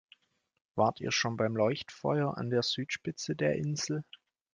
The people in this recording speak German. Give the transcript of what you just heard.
Wart ihr schon beim Leuchtfeuer an der Südspitze der Insel?